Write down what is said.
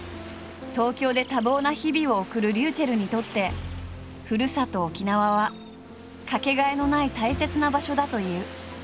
東京で多忙な日々を送るｒｙｕｃｈｅｌｌにとってふるさと沖縄はかけがえのない大切な場所だという。